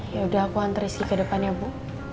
yaudah aku hantar rizky ke depannya bu